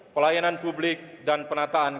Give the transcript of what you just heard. pelayanan publik dan penataan